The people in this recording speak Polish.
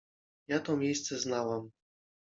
ja to miejsce znałam.